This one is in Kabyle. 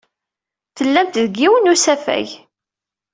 Tellamt deg yiwen n usafag.